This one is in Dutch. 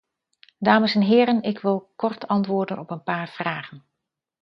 Dames en heren, ik wil kort antwoorden op een paar vragen.